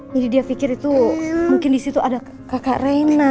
jadi dia pikir itu mungkin di situ ada kakak reina